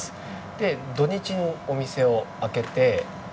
で土日にお店を開けてはい。